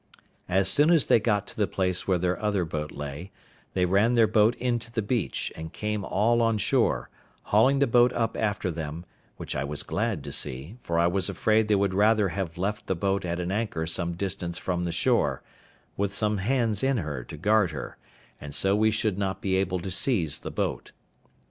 As soon as they got to the place where their other boat lay, they ran their boat into the beach and came all on shore, hauling the boat up after them, which I was glad to see, for I was afraid they would rather have left the boat at an anchor some distance from the shore, with some hands in her to guard her, and so we should not be able to seize the boat.